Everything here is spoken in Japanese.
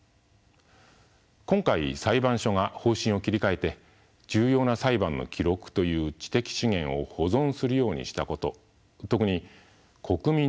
今回裁判所が方針を切り替えて重要な裁判の記録という知的資源を保存するようにしたこと特に国民の財産だと宣言したことは意義